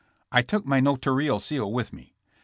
I took my notarial seal with me.